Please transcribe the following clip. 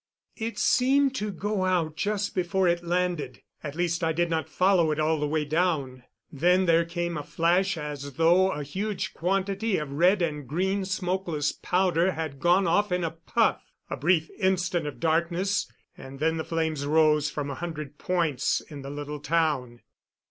It seemed to go out just before it landed at least I did not follow it all the way down. Then there came a flash as though a huge quantity of red and green smokeless powder had gone off in a puff; a brief instant of darkness, and then flames rose from a hundred points in the little town.